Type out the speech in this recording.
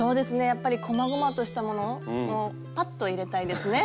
やっぱりこまごまとしたものをパッと入れたいですね。